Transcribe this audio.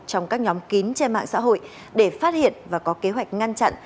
trong các nhóm kín trên mạng xã hội để phát hiện và có kế hoạch ngăn chặn